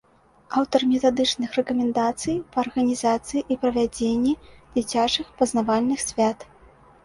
Аўтар метадычных рэкамендацый па арганізацыі і правядзенні дзіцячых пазнавальных свят.